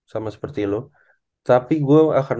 sama seperti lo tapi gue akan